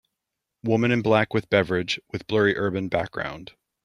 Woman in black with beverage, with blurry urban background.